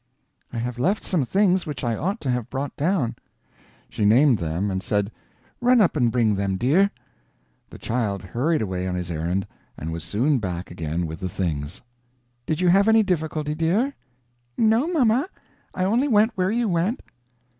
I have left some things which I ought to have brought down." She named them, and said, "Run up and bring them, dear." The child hurried away on his errand and was soon back again with the things. "Did you have any difficulty, dear?" "No, mamma; I only went where you went."